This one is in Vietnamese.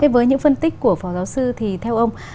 với những phân tích của phó giáo sư thì theo ông